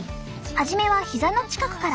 初めはひざの近くから。